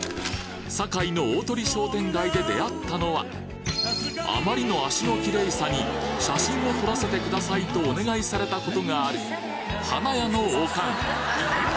堺の鳳商店街で出会ったのはあまりの足のキレイさに写真を撮らせてくださいとお願いされたことがある花屋のオカン！